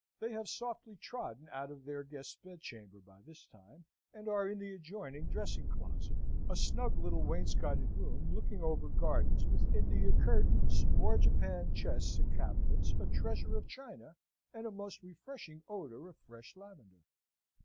They have softly trodden out of their guest's bedchamber by this time, and are in the adjoining dressing closet, a snug little wainscoted room looking over gardens, with India curtains, more Japan chests and cabinets, a treasure of china, and a most refreshing odour of fresh lavender.